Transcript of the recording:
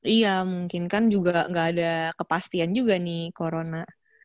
iya mungkin kan juga gak ada kepastian juga nih corona